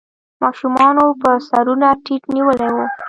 ماشومانو به سرونه ټيټ نيولې وو.